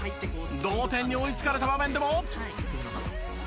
同点に追いつかれた場面でも。